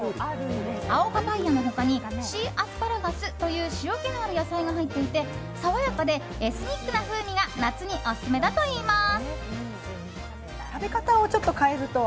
青パパイヤの他にシーアスパラガスという塩気のある野菜が入っていて爽やかでエスニックな風味が夏にオススメだといいます。